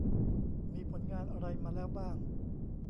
มีผลงานอะไรมาแล้วบ้าง